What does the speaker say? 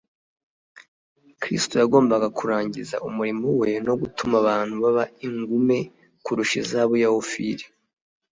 Kristo "Yagombaga kurangiza umurimo we no gutuma abantu baba ingume kurusha izahabu ya Ofiri.'"